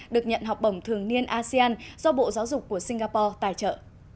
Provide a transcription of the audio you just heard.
được nhận học bổng thường niên asean do bộ giáo dục của singapore tài trợ